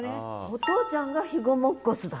お父ちゃんが肥後もっこすだった。